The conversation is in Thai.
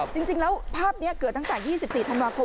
จริงแล้วภาพนี้เกิดตั้งแต่๒๔ธันวาคม